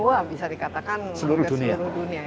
wah bisa dikatakan ke seluruh dunia ya